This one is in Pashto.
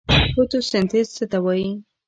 فوتوسنتیز څه ته وایي؟